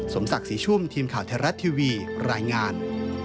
สมศักดิ์ศรีชุ่มทีมข่าวไทยรัฐทีวีรายงาน